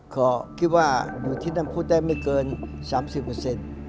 ก็คิดว่าอยู่ที่น้ำคุดได้ไม่เกิน๓๐เปอร์เซ็นต์